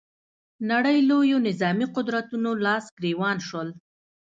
نړۍ لویو نظامي قدرتونو لاس ګرېوان شول